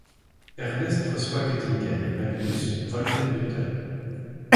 Ernest reçoit Göttingen et Magnus, Wolfenbüttel.